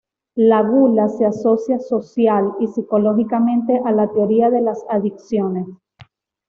La gula se asocia social y psicológicamente a la teoría de las adicciones.